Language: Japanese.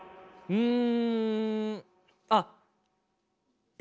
うん！